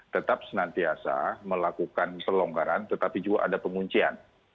tetap senantiasa melakukan pelonggaran tetapi juga ada penguncian